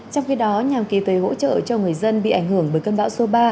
trong khi đó nhà kỳ tùy hỗ trợ cho người dân bị ảnh hưởng bởi cơn bão số ba